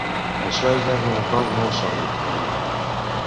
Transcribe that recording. Això ja és un acord molt sòlid, ha dit.